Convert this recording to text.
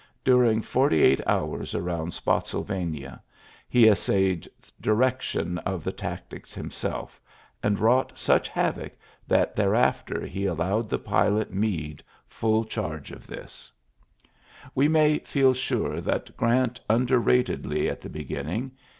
During forty eight 1 around Spottsylvania he essayed c tion of the tactics himself, and wr such havoc that thereafter he a? the pilot Meade fall charge of this We may feel sure that Grant ULYSSES S. GEANT 103 rated Lee at the beginning.